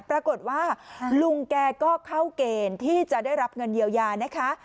ปรากฏว่าลุงแกก็เข้าเกณฑ์ที่จะได้รับเงินเยียวยานะคะ